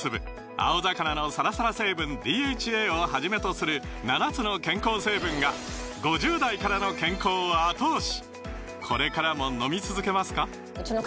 青魚のサラサラ成分ＤＨＡをはじめとする７つの健康成分が５０代からの健康を後押し！